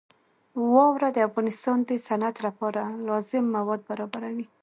واوره د افغانستان د صنعت لپاره لازم مواد برابروي.